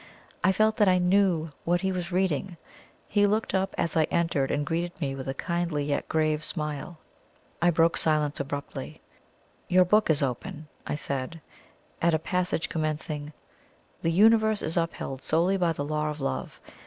I felt that I knew what he was reading. He looked up as I entered, and greeted me with a kindly yet grave smile. I broke silence abruptly. "Your book is open," I said, "at a passage commencing thus: 'The universe is upheld solely by the Law of Love.